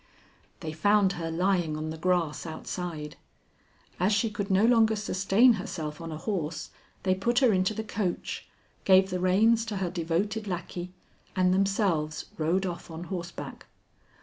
"They found her lying on the grass outside. As she could no longer sustain herself on a horse, they put her into the coach, gave the reins to her devoted lackey, and themselves rode off on horseback.